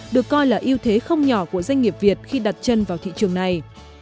được coi là ưu thế không nhỏ của doanh nghiệp việt khi đặt chân vào thị trường này